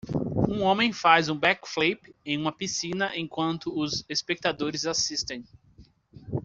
Um homem faz um back flip em uma piscina enquanto os espectadores assistem.